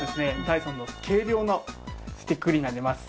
ダイソンの軽量のスティックになります。